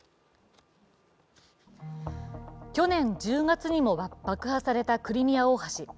去年１０月にも爆破されたクリミア大橋。